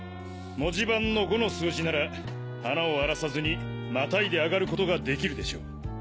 文字盤の「５」の数字なら花を荒らさずにまたいで上がることができるでしょう。